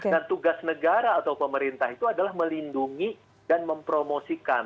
dan tugas negara atau pemerintah itu adalah melindungi dan mempromosikan